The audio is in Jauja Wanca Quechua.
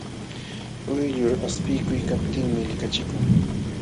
Quyllur aspikuykaptinmi likachikun.